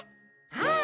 ああ！